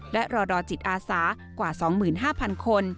และรอดอจิตอาสากว่า๒๕๐๐คน